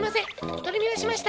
取り乱しました。